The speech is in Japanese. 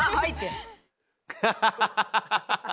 ハハハハッ！